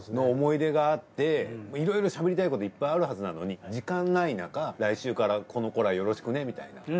思い出があっていろいろしゃべりたいこといっぱいあるはずなのに時間ないなか来週からこの子らよろしくねみたいな。